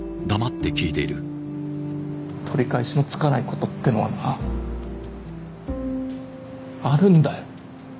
取り返しのつかないことってのはなあるんだよ